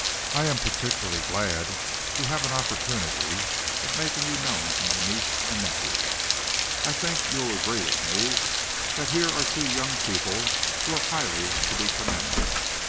I am particularly glad to have an opportunity of making you known to my niece and nephew. I think you will agree with me that here are two young people who are highly to be commended.